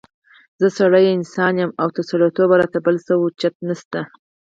زه سړی یا انسان يم او تر سړیتوبه را ته بل څه اوچت نشته